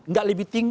enggak lebih tinggi